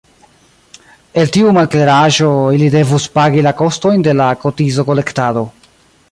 El tiu makleraĵo ili devus pagi la kostojn de la kotizokolektado.